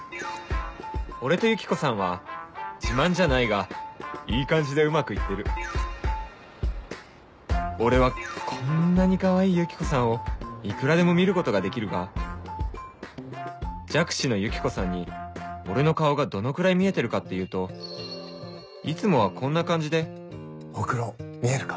俺とユキコさんは自慢じゃないがいい感じでうまく行ってる俺はこんなにかわいいユキコさんをいくらでも見ることができるが弱視のユキコさんに俺の顔がどのくらい見えてるかっていうといつもはこんな感じでホクロ見えるか？